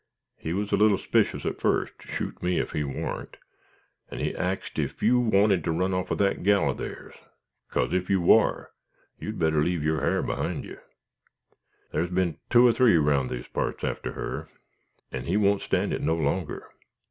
He was a little s'pishus at fust, shoot me ef he warn't! and he axed ef you wanted to run off with that gal o' theirs, 'cause ef you war, you'd better leave yer ha'r behind you. There's been two or three round these parts after her, and he won't stand it no longer.